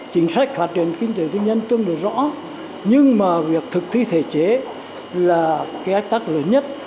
chính sách phát triển kinh tế tư nhân tôi nghe rõ nhưng mà việc thực thi thể chế là cái áp tác lớn nhất